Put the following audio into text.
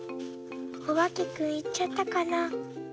おばけくんいっちゃったかな？